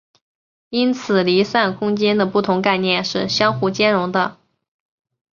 因此离散空间的不同概念是相互兼容的。